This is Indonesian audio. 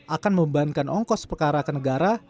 akan membebankan ongkos perkara ke negara